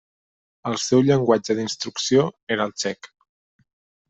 El seu llenguatge d'instrucció era el txec.